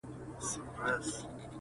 په یوه جوال کي رېګ بل کي غنم وي؛